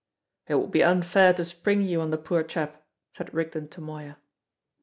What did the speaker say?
"It would be unfair to spring you on the poor chap," said Rigden to Moya.